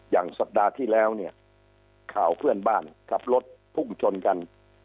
สัปดาห์ที่แล้วเนี่ยข่าวเพื่อนบ้านขับรถพุ่งชนกัน